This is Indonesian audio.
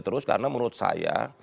terus karena menurut saya